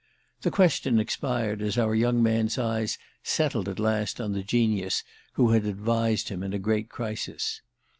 This question expired as our young man's eyes settled at last on the genius who had advised him in a great crisis.